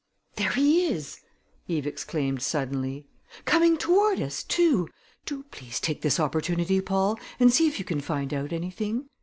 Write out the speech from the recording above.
"There he is!" Eve exclaimed suddenly. "Coming toward us, too! Do please take this opportunity, Paul, and see if you can find out anything.